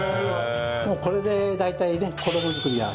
もうこれで大体ね衣作りは１００点！